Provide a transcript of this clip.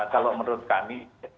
kalau menurut kami